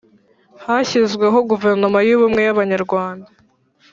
hashyizweho Guverinoma y’Ubumwe y’Abanyarwanda,